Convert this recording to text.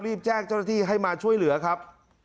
รีบแจ้งเจ้าหน้าที่ให้มาช่วยเหลือครับ